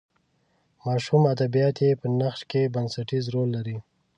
ماشوم ادبیات یې په نقش کې بنسټیز رول لري.